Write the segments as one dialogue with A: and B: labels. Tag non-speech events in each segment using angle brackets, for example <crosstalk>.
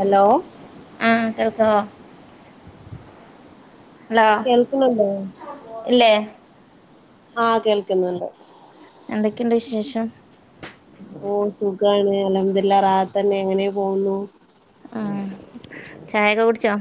A: Hello
B: ആഹ് കേൾക്കാവോ hello
A: കേൾക്കുന്നുണ്ടോ?
B: ഇല്ലേ
A: ആഹ് കേൾക്ന്ന്ണ്ട്.
B: എന്തൊക്കെണ്ട് വിശേഷം?
A: ഓഹ് സുഖാണ് അൽഹംദുലില്ലാഹ് റാഹത്തന്നെ അങ്ങനെ പോകുന്നു
B: ആഹ്. ചായൊക്കെ കുടിച്ചോ?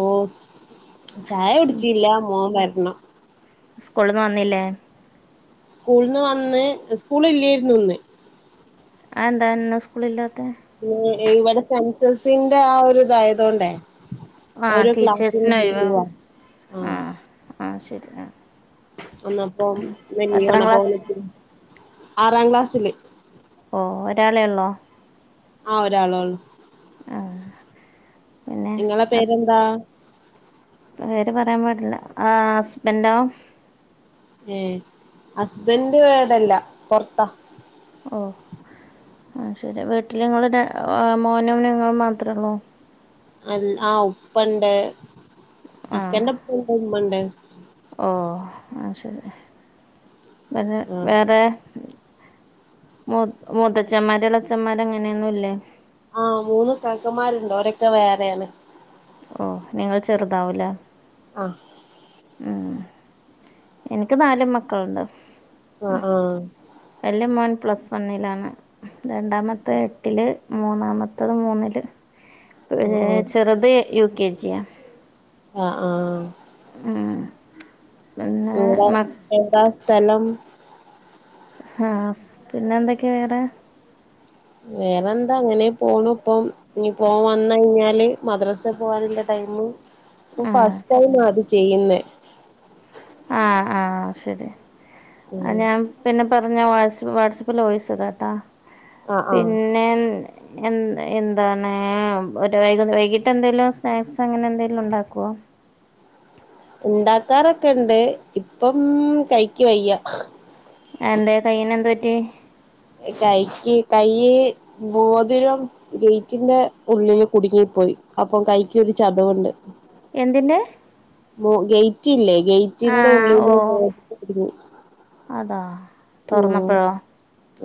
A: ഓഹ് ചായ കുട്ച്ചീല്ല. മോൻ വരണം
B: സ്കൂൾന്ന് വന്നില്ലേ?
A: സ്കൂൾന്ന് വന്ന്, സ്കൂള് ഇല്ലേര്ന്നു ഇന്ന്
B: അ എന്താ ഇന്ന് സ്കൂളില്ലാത്ത?
A: ഈ ഇവടെ സെൻസസിന്റെ ആ ഒരു ഇതായതോണ്ടേ
B: ആഹ്
A: ഓരോ ക്ലാസ്സിനും
B: ടീച്ചേഴ്സിന് ഒഴിവ്
A: ലീവാ. ആഹ്
B: ആഹ്. ശരി ആഹ്.
A: അന്നപ്പം ഇന്ന്
B: എത്രാം
A: ലീവാണ്
B: ക്ലാസ്
A: <unintelligible> ആറാം ക്ലാസ്സില്
B: ഓഹ്. ഒരാളെ ഒള്ളോ?
A: ആഹ് ഒരാളോള്ളൂ
B: ആഹ്. പിന്നെ
A: ഇങ്ങളെ
B: ഹസ്
A: പേരെന്താ?
B: പേര് പറയാൻ പാടില്ല. ആഹ് ഹസ്ബൻഡോ?
A: ഏഹ്. ഹസ്ബന്റ്‌ ഇവടെല്ല പൊറത്താ.
B: ഓഹ്. ആഹ് ശരി. വീട്ടില് നിങ്ങൾടെ മോനും നിങ്ങളും മാത്രള്ളൊ?
A: അല് ആഹ് ഉപ്പ ണ്ട്.
B: ആഹ്
A: ഇക്കന്റെ ഉപ്പ ണ്ട് ഉമ്മ ണ്ട്.
B: ഓഹ് അഹ്ശരി പിന്നെ
A: ആ
B: വേറെ? മൂ മൂത്തച്ഛന്മാര് ഇളച്ചന്മാർ അങ്ങനെയൊന്നു ഇല്ലേ?
A: ആഹ് മൂന്ന് ഇത്താക്കമാര്ണ്ട് അവരൊക്കെ വേറേണ്.
B: ഓഹ് നിങ്ങൾ ചെറുതാവുലേ.
A: ആഹ്.
B: ഏഹ് എനിക്ക് നാലും മക്കൾണ്ട്.
A: ആഹ് ആഹ്
B: വലിയ മോൻ വൺ പ്ലസ് വൺണിലാണ് രണ്ടാമത്തെ എട്ടില് മൂന്നാമത്തെ- മൂന്നാമത്തെ
A: ആ
B: മൂന്നിൽ ചെറുത് യുകെ ജിയാണ്.
A: ആഹ് ആഹ് ആഹ്..
B: ഏഹ്
A: എവിട എന്താ സ്ഥലം?
B: ആഹ് പിന്നെ എന്തൊക്കെവേറെ?
A: വേറെന്താ അങ്ങനെ പോണു ഇപ്പോ- ഇനി ഓൻ വന്ന് കഴിഞ്ഞാല് മദ്രസയിൽ പോവാനുള്ള ടൈമും-
B: ആഹ്
A: ഫസ്റ്റ് ടൈമാ അത് ചെയ്യുന്നെ
B: ആഹ് ആഹ് ശരി അ
A: ഉം
B: ഞാൻ പിന്നെ പറഞ്ഞാ വാട്സ്അപ്പ് വാട്സ്ആപ്പിൽ വോയിസുടാട്ടോ
A: ആ ആ
B: പിന്നെ- എന്ത്‌ എന്താണ് ഒരു വൈ വൈകീട്ട് എന്തെങ്കിലും സ്നാക്സ് അങ്ങനെ എന്തെങ്കിലും ഉണ്ടാക്കോ
A: ഉണ്ടാക്കാറൊക്കെ ണ്ട് ഇപ്പം കൈക്ക് വയ്യാ-
B: അതെന്താ കയ്യിന് എന്താ പറ്റിയേ
A: കൈക്ക് കൈ മോതിരം- ഗ്ളിറ്റിന്റെ ഉള്ളില് കുടുങ്ങി പോയി അപ്പൊ കൈക്ക് ഒരു ചതവുണ്ട്.
B: എന്തിന്റെ-
A: ഉം ഗേറ്റ് ഇല്ലേ
B: ആ
A: ഗേറ്റിന്റെ
B: ഓ
A: ഉള്ളില്കുടിങ്ങി
B: അതാ-
A: ഉം
B: തുറന്നപ്പോഴോ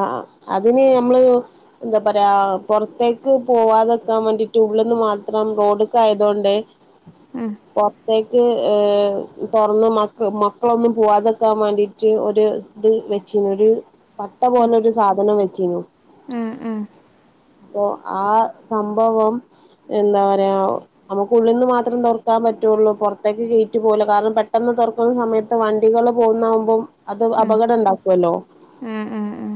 A: ആ അതിന് ഞമ്മള് എന്താ പറയാ പുറത്തേക്ക് പോവാതെക്കാൻ വേണ്ടിട്ട് ഉള്ളന്ന് മാത്രം റോഡിക്ക് ആയതോണ്ട്-
B: ഉം
A: പോർത്തേക്ക് തുറന്ന് മക്ക മക്കളൊന്നും പോവാതെക്കാൻ വേണ്ടിയിട്ട് ഒരു ഇത്. ഒരു ച്ചട്ട പോലെരു സാധനം വെച്ചിനു
B: ആഹ് ആഹ്
A: അപ്പോ ആ സംഭവം എന്താ പറയാ- നമുക്ക് ഉള്ളിൽ നിന്ന് മാത്രം തുറക്കാൻ പറ്റുള്ളൂ പുറത്തേക്ക് ഗേറ്റ് പോകുയില്ല കാരണം പെട്ടെന്ന് തോർക്കുമ്പോ തോർകുന്ന സമയത്ത് വണ്ടികള് പോകുന്നാകുമ്പോ- അത്
B: ഉം
A: അപകടം ഉണ്ടാക്കുവല്ലോ.
B: ഉം ഉം ഉം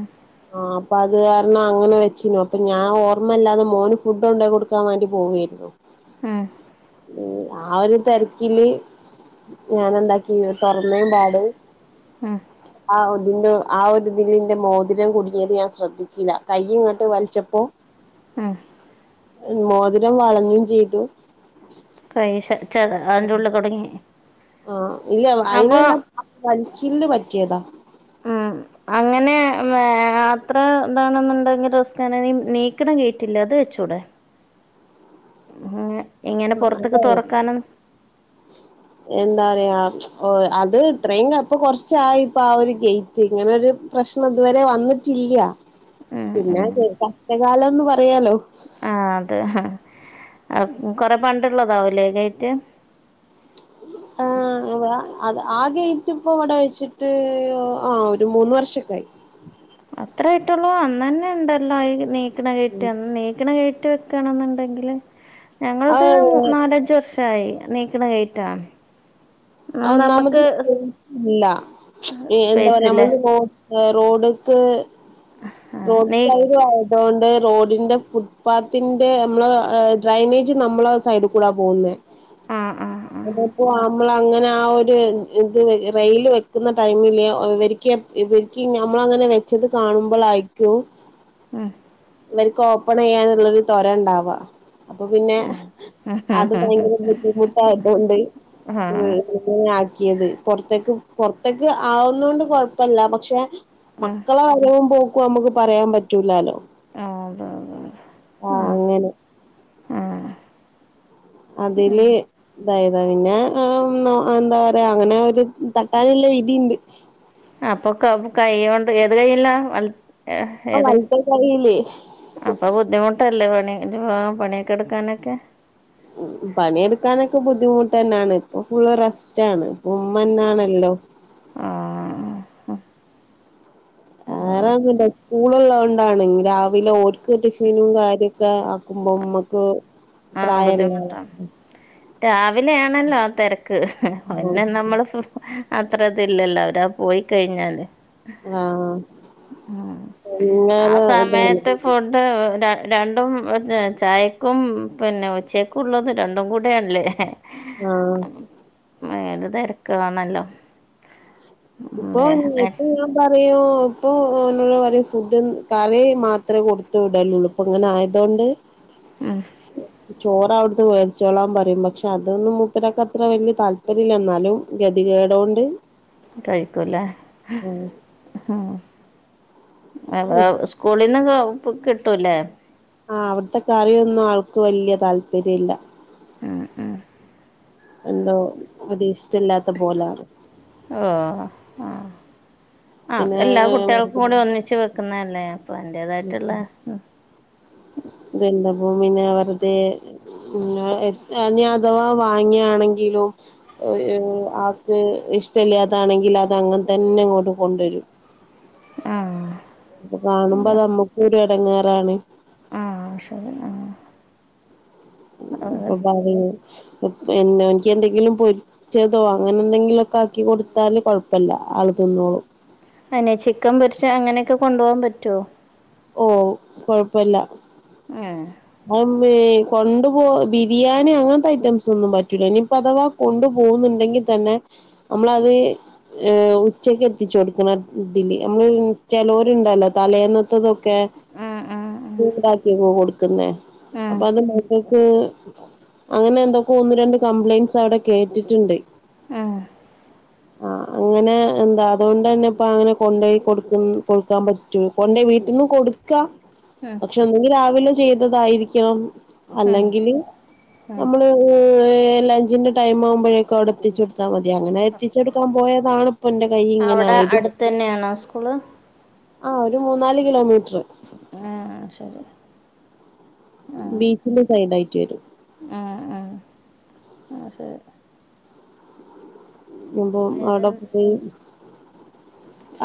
A: ആഹ് അപ്പോ അത് കാരണം അങ്ങനെ വെച്ചിന്നു അപ്പോ ഞാൻ ഓർമ്മയില്ലാതെ മോന് ഫുഡ് കൊണ്ട് കൊടുക്കാൻ വേണ്ടി പോകുവായിരുന്നു. ഹലോ
B: ഉം
A: ആ ഒരു തെര്ക്കില്- ഞാൻ എന്താക്കിനു തുറന്നേയും പാട്
B: ആഹ്
A: ആഹ് ഒരു ആ ഒരു ഇതില് ന്റെ മോതിരം കുടുങ്ങിയത് ഞാൻ ശ്രദ്ധിച്ചില്ല കൈ ഇങ്ങോട്ട് വലിച്ചപ്പോ-
B: ആഹ്
A: മോതിരം വളഞ്ഞും ചെയ്തു
B: കൈ സ ച്ച അതിന്റെ ഉുള്ളിൽ കുട്ങ്ങി
A: ആഹ് ഇല്ല അയിലിള്ള ആ വലിച്ചില് പറ്റിയെത
B: ആഹ് അങ്ങനെ അത്ര എന്താണെന്നുണ്ടെങ്കിൽ റിസ്കന നീക്കണ കേറ്റില്ല അത് വെച്ചൂടെ ഉം ഏഹ്
A: ആഹ് അല്ലേേ
B: ഉ
A: എന്താറ്യാ അത് ഇത്രയുംപ്പൊ കൊറച്ചായിപ്പ ആഹ് ഗേറ്റ് ഇങ്ങനെ ഒരു പ്രശ്നം ഇതുവരെ വന്നിട്ടില്ല
B: ഉം
A: പിന്നെ
B: ഉം
A: കഷ്ടകാലന്ന് പറയാലോ
B: ആ അതെ കുറെേ പണ്ടുള്ളതാവല്ലേ ഗെറ്റ് മ്ഹ്
A: അവ്ടാ അത് ആ ഗേറ്റ് ഇപ്പ ഇവടെ വെച്ചിട്ട് ആഹ് ഒരു മൂന്ന് വർഷക്ക ആയി
B: അത്രേ ആയിട്ടൊള്ളൂ അന്നന്നെ ഉണ്ടല്ലോ ആ ഈ നീക്കണ ഗേറ്റ് അന്ന് നീക്കണ ഗേറ്റ് ക്കാണെന്നുണ്ടെങ്കില് ഞങ്ങളത്
A: ആഹ്
B: നാലഞ്ച് വർഷായി നീക്കണ ഗേറ്റാണ്
A: അത് ഒന്നാമത് ഇല്ലാ എ എന്താ
B: സ്പേസ്
A: പറയാ
B: ഇല്ലേ
A: അമ്മള് റോ ഏഹ് റോഡ്ക്ക്
B: ആ
A: റോഡ്
B: നീ
A: <unintelligible> അതുകൊണ്ട് റോഡിന്റെ ഫുട് പാത്തിന്റെ അമ്മള ആഹ് ഡ്രെൈനേജ് നമ്മളെ സൈഡി കൂടാ പോവുന്നെ
B: ആ ആ ആ
A: അതിപ്പോ അമ്മള് അങ്ങന ആ ഒരു ഇതില് റെയില് വെക്കുന്ന ടൈമില് ഇവരിക്ക് എപ്പ് ഇവരിക്ക് നമ്മളങ്ങനെ വെ ച്ചത് കാണുമ്പളായിക്കോ
B: മ്ഹ്
A: ഇവർക്ക് ഓപ്പൺ ചെയ്യാനുള്ളൊരു ത്വര ഉണ്ടാവാ അപ്പൊ പിന്നെ അത് ഭയങ്കര ബുദ്ധിമുട്ടായതു കൊണ്ട് ഇഹ്
B: ആ
A: <unintelligible> ആക്കിയത് പൊറത്തേക്ക് പൊറത്തേക്ക് ആവുന്ന കൊണ്ട് കൊഴപ്പല്ല പക്ഷെ മക്കള വരവും പോക്കും അമ്മക്ക് പറയാൻ പറ്റൂലാല്ലോ
B: ആഹ് <unintelligible>
A: ആഹ് അങ്ങനെ അതില് ഇതായതാ പിന്നെ എന്താ പറയാ അങ്ങനെ ഒരു തട്ടാനുള്ള വിതീണ്ട്
B: അപ്പൊ ക കൈ കൊണ്ട് ഏത് കൈയ്യില വല
A: ഓഹ് വലത്തെ കയ്യില്
B: അപ്പൊ ബുദ്ധിമുട്ടല്ലേ പണി <unintelligible> പണിയൊക്കെ എടുക്കാനൊക്കെ
A: ഉം പണിയെടുക്കാനൊക്കെ ബുദ്ധിമുട്ട് തന്നാണ് ഇപ്പൊ ഫുള്ള് റെസ്റ്റാണ് ഇപ്പോ ഉമ്മന്നാണ് എല്ലോം
B: ആഹ് മ്ഹ്
A: അങ്ങന <unintelligible> സ്കൂള് ഒള്ളത് കൊണ്ടാണ് ഇങ്ങ് രാവിലെ ഓർക്ക് ടിഫിനും കാര്യ <unintelligible> ആക്കുമ്പോ ഉമ്മക്ക്
B: ആഹ്
A: പ്രായല്ലേ
B: ബുദ്ധിമുട്ടാണ് രാവിലെ ആണല്ലോ തെരക്ക് പിന്നെ നമ്മള് സ്വസ് അത്ര ഇതില്ലല്ലോ അവരാ പോയി കഴിഞ്ഞാല്
A: ആഹ്
B: മ്ഹ് ആ
A: ഭയങ്കര ഇതാണ്
B: സമയത്ത് ഫുഡ് ര രണ്ടും ഒരു ചായക്കും പിന്നെ ഉച്ചക്കുള്ളതും രണ്ടും കൂടെയാണല്ലേ
A: ആഹ്
B: അം മേല് തെരക്ക്ളാണല്ലോ
A: ഇപ്പൊ ഇഞ്ഞിപ്പോ പറയൊ ഇപ്പോ ഓനോട് പറയും ഫുഡ് കറി മാത്രേ കൊടുത്ത് വിടലുള്ളൂ ഇപ്പോ ഇങ്ങനെ ആയതോണ്ട്
B: ഉം
A: ചോറ് അവിടുന്ന് വേടിച്ചോളാൻ പറയും പക്ഷെ അതൊന്നും മുപ്പരാക്ക് അത്ര വല്യ താല്പര്യല്ല എന്നാലും ഗതികേട് കൊണ്ട്
B: കഴിക്കൂല്ലേ ഹ് മ് <unintelligible> സ് സ്കൂളിന്ന് ക പ് കിട്ടൂല്ലേ
A: ആഹ് അവിടത്തെ കറിയൊന്നും ആൾക്ക് വല്യ താല്പര്യല്ല
B: ഉം ഉം
A: എന്തോ അത് ഇഷ്ടല്ലാത്ത പോലാണ്
B: ഓഹ് ആഹ് ആഹ് അത് എല്ലാ
A: പിന്നെ
B: കുട്ട്യൾക്കും കൂടേ ഒന്നിച്ച് വെ ക്കുന്നല്ലേ അപ്പോ അതിന്റെതായിട്ടുള്ള മ്ഹ്
A: ഇതെന്താ ഭൂമിങ്ങനെ വെറുതെ <unintelligible> ഇനി അഥവാ വാങ്ങിയാണെങ്കിലും ആക്ക് ഇഷ്ടല്ലാതാണെങ്കിൽ അത് അങ്ങനെ തന്നെ ഇങ്ങോട്ട് കൊണ്ടുവരും
B: ആഹ്
A: അപ്പൊ കാണുമ്പോ അത് നമ്മക്ക ഒരു ഇടങ്ങാറാണ്
B: ആഹ ശരി ആഹ
A: അപ്പൊ പറു എനിക്ക് എന്തെങ്കിലും പ ചെയിതോ അങ്ങനെ എന്തെങ്കിലുമൊക്കെ ആക്കി കൊടുത്താല് കുഴപ്പമില്ല ആൾ തിന്നോളൂ
B: അനെ ചിക്കൻ പൊരുച്ച അങ്ങനെയൊക്കെ കൊണ്ട പോകാൻ പറ്റുവോ
A: ഓ കൊഴപ്പില്ല
B: ഉം
A: കൊണ്ട് പോബിരിയാണി അങ്ങനത്തെ ഐറ്റംസ് ഒന്നും പറ്റൂല ഇനിപ്പോ അഥവാ കൊണ്ടു പോോകുന്നുണ്ടെങ്കിൽ തന്നെ നമ്മളത് ഏ ഉച്ചക്ക് എത്തിച്ച കൊടുക്കണം ഇതില് നമ്മള് ചിലരുണ്ടല്ലോ തലേന്നത്തതൊക്കെ
B: ഉം ഉം
A: ചൂടാക്കി കൊടുക്കുന്നേ
B: ഉം ഉം
A: അപ്പൊ അത് മകൾക്ക് അങ്ങനെ എന്തൊക്കെ ഒന്ന് രണ്ട് കംപ്ലൈന്റ്സ് അവിടെ കേട്ടിട്ടുണ്ട്
B: ആഏ
A: ആ അങ്ങനെ എന്താ അതുകൊണ്ട് തന്നെ ഇപ്പ അങ്ങനെ കൊണ്ട പോയി കൊടുക്ക കൊടുക്കാൻ പറ്റൂ കൊണ്ടോ വീട്ടിൽന്നും കൊടു
B: ഉം
A: പക്ഷെഒന്നുകിൽ രാവിലെ ചെയ്തതായിരിക്കണം
B: ഉം
A: അല്ലെങ്കില്
B: ഉം
A: നമ്മള് ലഞ്ചിന്റെ ടൈം ആവുമ്പോഴേക്കെ അവിടെ എത്തിച്ച കൊടുത്താൽ മതി അങ്ങനെ എത്തിച്ചെടുക്കാൻ പോയതാണ് പുന്റെ കൈ ഇങ്ങനെ
B: അവിടെ
A: ആയത്
B: അടുത്ത തന്നെയാണോ സ്കൂള്
A: ആഹ ഒരു മൂന്നാല് കിലോമീറ്ററ്
B: ആഹ ആ ശരി ആ
A: ബീച്ചിന്റെ സൈഡ് ആയിട്ട് വരും
B: ആ ആ <inaudible>
A: എ്പ
B: വേറെന്ന
A: അവിടെപ്പയി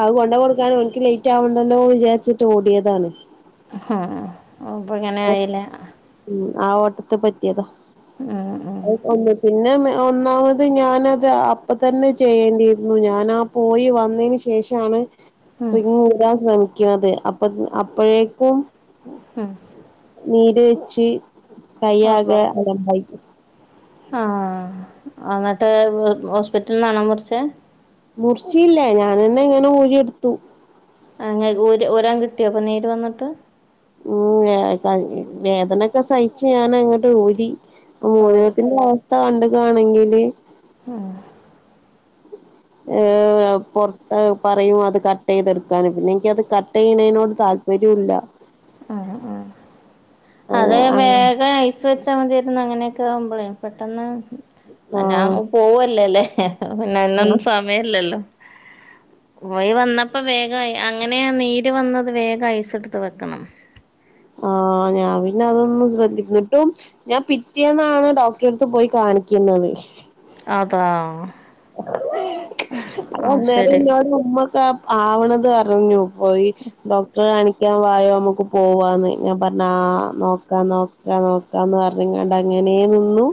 A: അത് കൊണ്ട കൊടുക്കാന് അവൻക്ക് ലേറ്റ് ആാവണ്ടല്ലോ എന്ന് വിചാരിച്ചിട്ട് ഓടിയതാണ്
B: ഹ അപ്പ ഇങ്ങനെ ആയില്ല
A: ഉ ആ ഓട്ടത്ത് പറ്റിയതാ
B: ആ ആ
A: ഒന്ന് പിന്നെ ഒന്നാമത് ഞാനത് അപ്പ തന്നെ ചെയ്യേണ്ടിയിരുന്നു ഞാനാ പോയി വന്നതിന് ശേഷമാണ്
B: ഉം
A: റിങ് ചെയ്യാൻ ശ്ര ക്കണത് അപ്പ അപ്പോഴേക്കും
B: ഉം
A: നീര്
B: ഓ
A: കൈയ്യാകെ
B: ഓ
A: അലമ്പായിക്കണ്
B: ആ എന്നിട്ട് ഹോസ്പിറ്റലിൽ നിന്നാണാ കുറിഛെ
A: മുറിചീല്ലേ ഞാനന്നെ ഇങ്ങനെ ഊഴിയെടുത്തു
B: അങ്ങനെ ഊരാൻ കിട്ടിയോ അപ്പോൾ നീര് വന്നിട്ട്
A: ഉ വേദനൊക്കെ സഹിച്ച ഞാന അങ്ങട്ട് ഊരി
B: ഓഹ്
A: <unintelligible> അവസ്ഥ കണ്ടുകണെങ്കില്
B: മ്ഹ
A: പുറത്ത് പറയും അത് കട്ട് ചെയ്തെടുക്കും പിന്നെ എനിക്ക അത് കട്ട് ചെയ്യണതിനോട് താല്പര്യം വരല്ല
B: ഉ ഉ അത്
A: ആഹ് ആഹ്
B: വേഗം വെച്ചാൽ മതിായിരുന്നു അങ്ങനെയൊക്കെ ആവുമ്പോളേ പെട്ടെന്ന്
A: ആഹ്
B: പോവല്ലേല്ലേ ന്നെ എന്നന്ന സാമയല്ലല്ലോ ഓയി വന്നപ്പോ വേഗമയി അങ്ങനെയ നീര് വന്നവേഗം യസെടുത്ത് വെക്കണം
A: ആ ഞാൻ പിന്നെ അതൊന്നന്ന് ശ്രദ്ധിക്കുന്നിട്ടും ഞാൻ പിറ്റേന്നാണ് ഡോക്ടറെ അടുത്ത് പോയി കാണിക്കുന്നത്
B: അതാ
A: അ
B: ആഹ്
A: അന്നേരം
B: ശരി
A: ഇന്നോട് ഉമ്മൊക്കെ ആവണത് പറഞ്ഞു പേയി ഡോക്ടർ കണ കാൻ വായോ നമുക്ക് പോവാന്ന് ഞാൻ പറഞ്ഞ ആ നോക്കാം നോക്കാം നോക്കാന്ന് പറ ഞ്ഞട്ട് അങ്ങനെ നിന്നു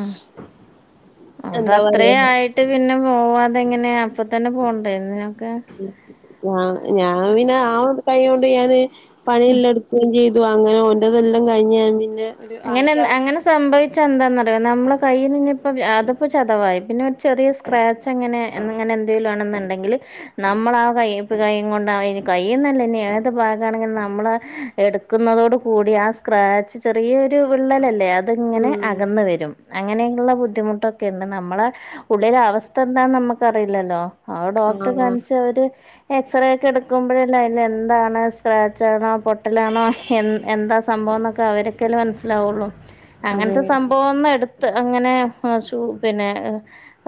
B: ആഹ് അത്
A: എന്താ
B: അത്രേ
A: പറയാ
B: ആയി ട്ട് പിന്നെ പോവാതെങ്ങനെയാ അപ്പൊ തന്നെ പോണ്ടായിരുന്നു നിങ്ങക്കെ
A: ഉം ഞാ ഞാൻ പിന്നെ ആ കൈ കൊണ്ട് ഞാന് പണിഎല്ലടു ക്കും ചെയ്തു അങ്ങനെ ഓറ്റതെല്ലാം കഴിഞ്ഞഞ് പിന്നെ ഒരു
B: അങ്ങനെന്നാ
A: ആഹ്
B: അങ്ങന സംഭവിച്ച എന്താന്നറിയൊ നമ്മളെ കയ്യിൽ നിന്ന് ഇപ്പോ അതിപ്പോ ചതവായി പിന്നെ ഒരു ചെറിയ സ്ക്രാച്ച് അങ്ങനെ അന്നഅങ്ങനെ എന്തെലു ആണെന്നുണ്ടെങ്കിൽ നമ്മളാ വൈതാകൈയ് കൊണ്ടഇനി കയ്യുന്നല്ലേ ഇനി ഏത് ഭാകാണെങ്കി നമ്മള് എടുക്കുന്നതോടു കൂടി ആ സ്ക്രാച്ച് ചെറിയൊരു വിള്ളലല്ലേ അതിങ്ങനെ
A: ഉം
B: അകന്ന് വരും അങ്ങനെയുള്ള ബുദ്ധിമുട്ടൊക്കെ ഉണ്ട് നമ്മളെ ഉള്ളിലെ അവസ്ഥ എന്താന്ന് നമുക്ക്റിയില്ലല്ലോ ആത് ഡോക്ടറെ
A: ആഹ്
B: കാണിച്ച അവര് എക്സ്റേ ഒക്കെ എടുക്കുമ്പഴല്ലേ അന് എന്താണ് സ്ക്രാച്ച് ആണോ പൊട്ടലാണോ എ എന്താ സംഭവന്നൊക്കെ അവരൊക്കെ അല്ലെ മനസ്സിലാവുള്ളു അങ്ങനത്തെ
A: അതെ
B: സംഭവന്ന് എടു ത്ത് അങ്ങനെ ആ ശു പിന്നെ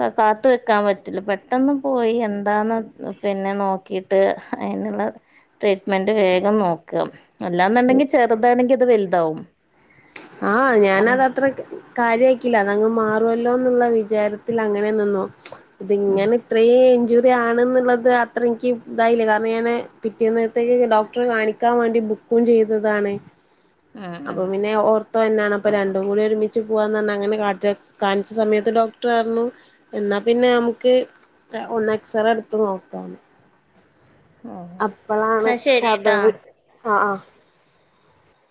B: ആ പാത്തു വെക്കാൻ പറ്റില്ല പെട്ടെന്ന് പോയി എന്താന്ന് പിന്നെ നോക്കി ട്ട് അയിനുള്ള ട്രീറ്റ്മെന്റ് വേഗം നോക്കുക അല്ലാന്നുണ്ടെങ്കി ചെറുതാണെങ്കി ഇത് വലുതാവും
A: ആഹ് ഞാനതത്രക്ക് കാര്യ ആക്കില്ല അത് അങ്ങ് മാറുവല്ലോ എന്നുള്ള വിചാരത്തിൽ അങ്ങനെ നിന്നു അതിങ്ങനെ ഇത്രേ ഇഞ്ചു റി ആണ്ന്നുള്ളത് അത്ര എനിക്ക് ഇതായില്ല കാരണം ഞാന് പിറ്റേ നേരാത്തെക്ക് ഡോക്ടറെ കാണിക്കാൻ വേണ്ടി ബു ക്കു ചെയ്തതാണ്
B: ഉം
A: അപ്പൊ പിന്നെ ഓർ ത്തന്നാണ് അപ്പൊ രണ്ടും കൂടി ഒരുമിച്ച് പോവാൻ നിന്ന അങ്ങനെ കാറ്റ് കാണിച്ച സമയത്ത് ഡോക്ടർ പറണു എന്നാ പിന്നെ നമുക്ക് ഒന്ന് എക്സറേ എടുത്ത് നോക്കാന്ന്
B: ഉം
A: അപ്പളാണ്
B: എന്നാ ശരിട്ടാ
A: ചതവ് ആഹ് ആഹ്